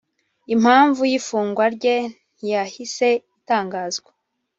impamvu y’ifungwa rye ntiyahise itangazwa